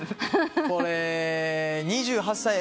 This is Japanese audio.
これ２８歳。